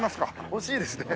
惜しいですね。